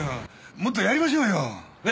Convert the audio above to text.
もっとやりましょうよ。ね？